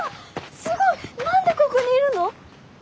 すごい！何でここにいるの？